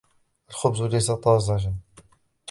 الخبز ليس طازجاً.